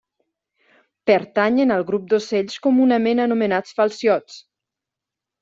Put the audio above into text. Pertanyen al grup d'ocells comunament anomenats falciots.